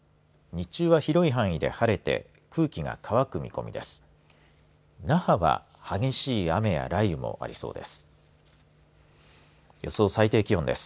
日中は広い範囲で晴れて空気が乾く見込みです。